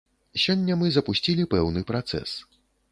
Сёння мы запусцілі пэўны працэс.